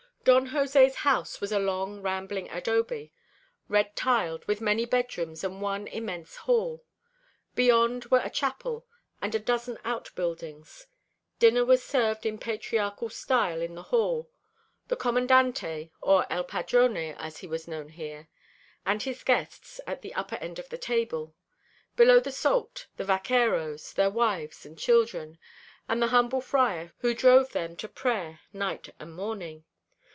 Don Jose's house was a long rambling adobe, red tiled, with many bedrooms and one immense hall. Beyond were a chapel and a dozen outbuildings. Dinner was served in patriarchal style in the hall, the Commandante or El padrone as he was known here and his guests at the upper end of the table; below the salt, the vaqueros, their wives and children, and the humble friar who drove them to prayer night and morning.